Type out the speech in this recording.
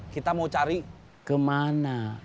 kita mau cari kemana